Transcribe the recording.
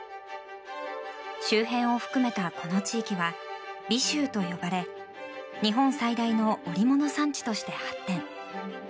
周辺を含めたこの地域は尾州と呼ばれ日本最大の織物産地として発展。